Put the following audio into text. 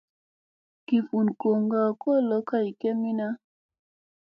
Gi vun goŋga kolo kay kemina.